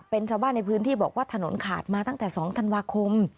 เป็นชาวบ้านในพื้นที่บอกว่าถนนขาดมาตั้งแต่๒ธันวาคม